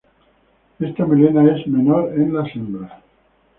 Esta melena es menor en las hembras.